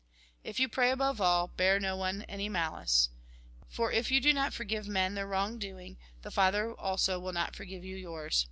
If you pray, above all, bear no one any malice. For if you do not forgive men their wrong doing, the Father also will not forgive you yours.